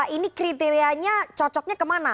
ini kriterianya cocoknya kemana